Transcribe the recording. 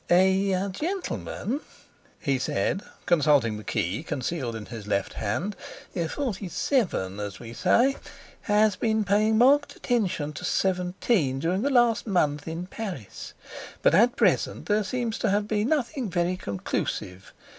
"A gentleman," he said, consulting the key concealed in his left hand, "47 as we say, has been paying marked attention to 17 during the last month in Paris. But at present there seems to have been nothing very conclusive.